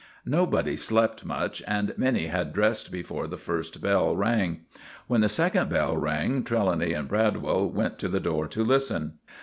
Nobody slept much, and many had dressed before the first bell rang. When the second bell rang Trelawny and Bradwell went to the door to listen.